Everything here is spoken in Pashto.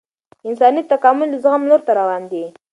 انساني تکامل د زغم لور ته روان دی